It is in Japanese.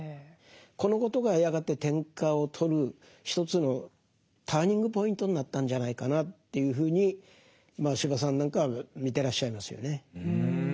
このことがやがて天下を取る一つのターニングポイントになったんじゃないかなというふうに司馬さんなんかは見てらっしゃいますよね。